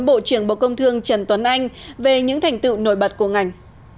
bộ trưởng bộ công thương trần tuấn anh về những thành tựu nổi bật của ngành